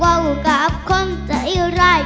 เพราะอยากว่ากลับความใจร้าย